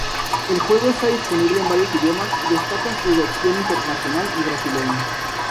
El juego está disponible en varios idiomas y destacan su versiones internacional y brasileña.